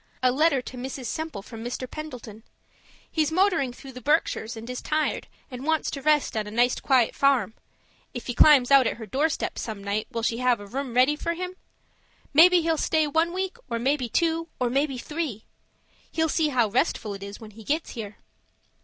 A letter to Mrs. Semple from Mr. Pendleton. He's motoring through the Berkshires, and is tired and wants to rest on a nice quiet farm if he climbs out at her doorstep some night will she have a room ready for him? Maybe he'll stay one week, or maybe two, or maybe three; he'll see how restful it is when he gets here.